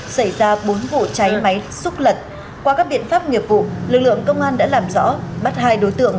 xảy ra bốn vụ cháy máy xúc lật qua các biện pháp nghiệp vụ lực lượng công an đã làm rõ bắt hai đối tượng